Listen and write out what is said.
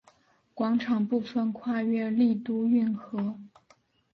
广场部分跨越丽都运河。